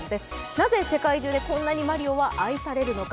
なぜ世界中でこんなにマリオは愛されるのか。